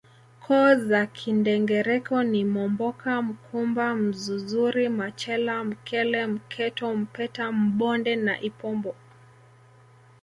Koo za Kindengereko ni Momboka Mkumba Mzuzuri Machela Mkele Mketo Mpeta Mbonde na Ipombo